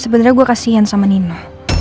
sebenernya gua kasihan sama nino